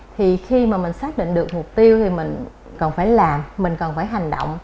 thì khi mà mình xác định được mục tiêu thì mình cần phải làm mình cần phải hành động